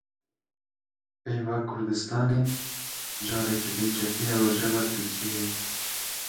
Peyva Kurdistanê careke din ketiye rojeva Tirkiyeyê.